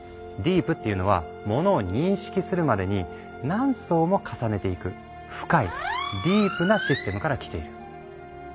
ディープっていうのはモノを認識するまでに何層も重ねていく「深い」「ディープ」なシステムから来ている。